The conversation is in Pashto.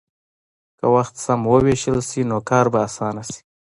که وخت سم ووېشل شي، نو کار به اسانه شي.